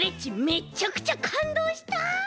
めちゃくちゃかんどうした！